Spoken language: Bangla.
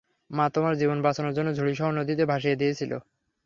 মা তোমার জীবন বাঁচানোর জন্য ঝুড়িসহ নদীতে ভাসিয়ে দিয়েছিল।